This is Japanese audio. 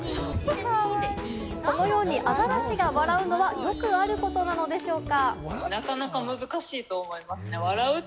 このようにアザラシが笑うのはよくあることなのでしょうか？